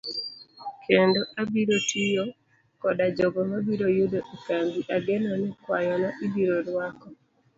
Kendo abiro tiyo koda jogo mabiro yudo e kambi ageno ni kwayona ibiro rwako.